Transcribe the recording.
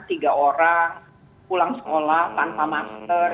tiga orang pulang sekolah tanpa masker